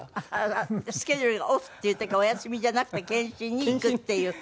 スケジュールがオフっていう時はお休みじゃなくて検診に行くっていう。